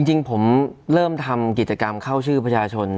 จริงผมเริ่มทำกิจกรรมเข้าชื่อประชาชน